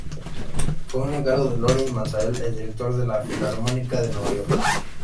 Fue un encargo de Lorin Maazel, el director de la Filarmónica de Nueva York.